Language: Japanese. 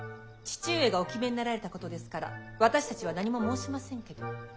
父上がお決めになられたことですから私たちは何も申しませんけど。